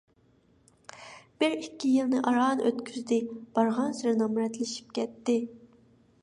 بىر - ئىككى يىلنى ئاران ئۆتكۈزدى، بارغانسېرى نامراتلىشىپ كەتتى.